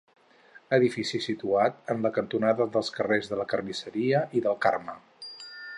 Edifici situat en la cantonada dels carrers de la Carnisseria i del Carme.